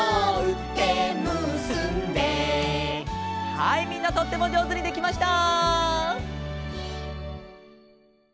はいみんなとってもじょうずにできました！